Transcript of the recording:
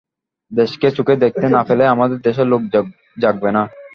দেশকে চোখে দেখতে না পেলে আমাদের দেশের লোক জাগবে না।